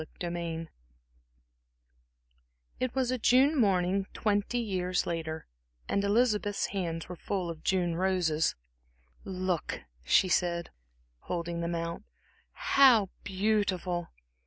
Chapter II It was a June morning twenty years later, and Elizabeth's hands were full of June roses. "Look," she said, holding them out "how beautiful!"